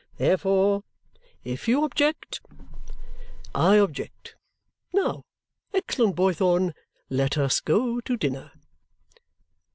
Therefore if you object, I object. Now, excellent Boythorn, let us go to dinner!'"